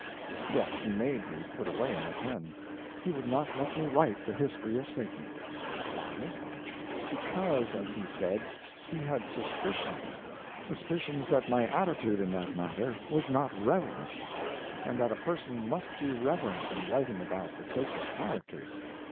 Yet he made me put away my pen; he would not let me write the history of Satan. Why? Because, as he said, he had suspicions—suspicions that my attitude in that matter was not reverent, and that a person must be reverent when writing about the sacred characters.